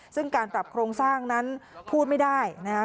ซึ่งการปรับโครงสร้างนั้นพูดไม่ได้นะคะ